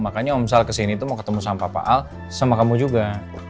makanya omset kesini tuh mau ketemu sama papa al sama kamu juga